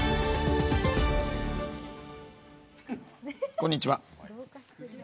こんにちは。